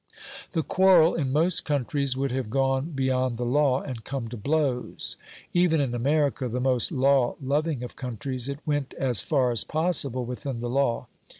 The quarrel in most countries would have gone beyond the law, and come to blows; even in America, the most law loving of countries, it went as far as possible within the law.